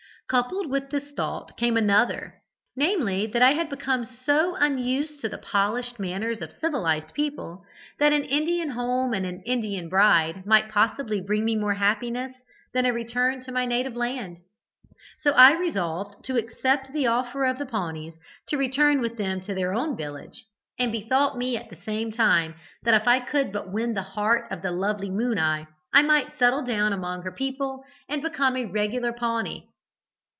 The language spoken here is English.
Coupled with this thought came another, namely, that I had become so unused to the polished manners of civilized people, that an Indian home and an Indian bride might possibly bring me more happiness than a return to my native land. So I resolved to accept the offer of the Pawnees to return with them to their own village, and bethought me at the same time that if I could but win the heart of the lovely Moon eye, I might settle down among her people and become a regular Pawnee.